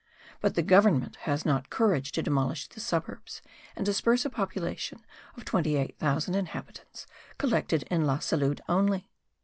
But the government has not courage to demolish the suburbs and disperse a population of 28,000 inhabitants collected in La Salud only.